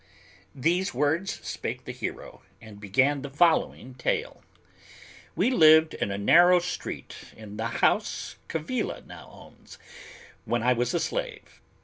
These words spake the hero, and began the following tale: "We lived in a narrow street in the house Gavilla now owns, when I was a slave.